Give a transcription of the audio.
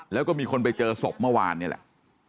แล้วก็มีคนไปเจอศพเมื่อวานนี่แหละ